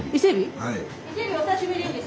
はい。